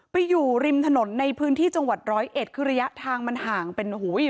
อยู่ริมถนนในพื้นที่จังหวัดร้อยเอ็ดคือระยะทางมันห่างเป็นโอ้โห